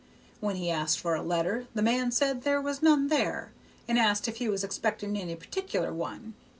When he asked for a letter, the man said there was none there, and asked if he was expecting any particular one.